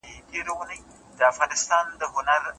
چي لېونتوب مي د سنګسار په وینو ورنګوي